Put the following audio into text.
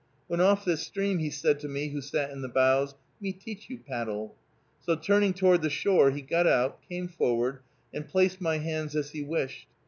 When off this stream he said to me, who sat in the bows, "Me teach you paddle." So, turning toward the shore, he got out, came forward, and placed my hands as he wished.